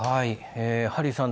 ハリーさん